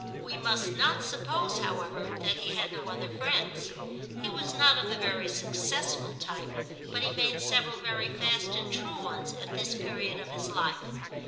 We must not suppose, however, that he had no other friends. He was not of the very successful type, but he made several very fast and true ones at this period of his life.